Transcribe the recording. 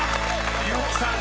［結木さん